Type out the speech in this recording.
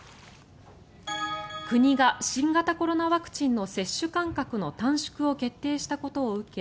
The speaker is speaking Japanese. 国が新型コロナワクチンの接種間隔の短縮を決定したことを受け